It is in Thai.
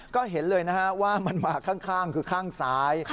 ก็เห็นเลยนะฮะว่ามันมาข้างคือข้างซ้าย